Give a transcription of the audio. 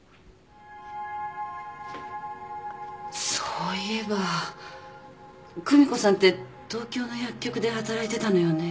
そういえば久美子さんって東京の薬局で働いてたのよね。